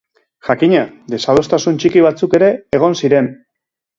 Jakina, desadostasun txiki batzuk ere egon ziren.